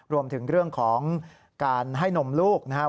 รวมถึงเรื่องของการให้นมลูกนะครับ